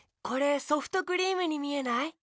これソフトクリームにみえない？